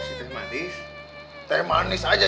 sistem manis teh manis aja